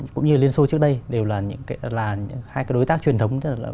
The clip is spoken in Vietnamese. cũng như liên xô trước đây đều là hai cái đối tác truyền thống